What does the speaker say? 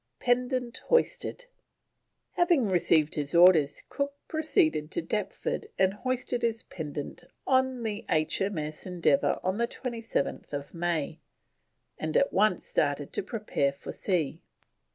PENDANT HOISTED. Having received his orders Cook proceeded to Deptford and hoisted his pendant on H.M.S. Endeavour on 27th May, and at once started to prepare for sea.